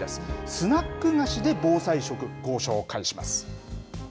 スナック菓子で防災食、ご紹介します。